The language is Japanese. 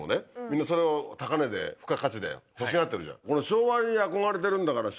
みんなそれを高値で付加価値で欲しがってるじゃん。